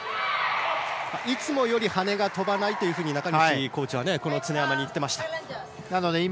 いつもより羽根が飛ばないと中西コーチは常山に言っていました。